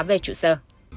về trụ sở